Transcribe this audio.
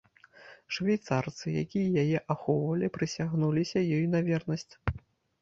Швейцарцы, якія яе ахоўвалі, прысягнуліся ёй на вернасць.